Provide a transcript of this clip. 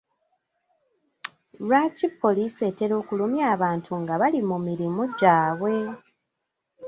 Lwaki poliisi etera okulumya abantu nga bali mu mirimu gyabwe?